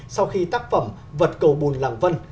sau khi tác phẩm vật cầu bùn làng vân